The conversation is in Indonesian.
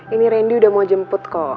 ini randy udah mau jemput kok